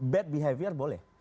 bad behavior boleh